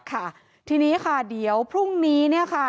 ค่ะทีนี้ค่ะเดี๋ยวพรุ่งนี้เนี่ยค่ะ